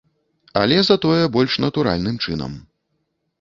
Але затое больш натуральным чынам.